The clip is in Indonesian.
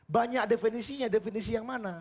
banyak definisinya definisi yang mana